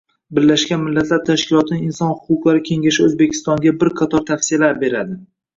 Birlashgan Millatlar Tashkilotining Inson huquqlari kengashi O'zbekistonga bir qator tavsiyalar beradi